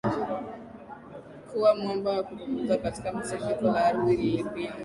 kuwa mwamba na kuzunguka kama tetemeko la ardhi lilipiga